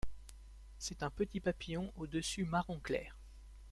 C'est un petit papillon au dessus marron clair.